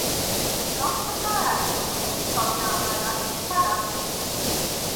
নক্ষত্ররায় কহিলেন, তবে আমার রাজটিকা লাভ হইবে!